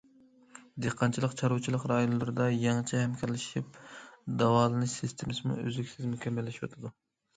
دېھقانچىلىق، چارۋىچىلىق رايونلىرىدا يېڭىچە ھەمكارلىشىپ داۋالىنىش سىستېمىسىمۇ ئۈزلۈكسىز مۇكەممەللىشىۋاتىدۇ.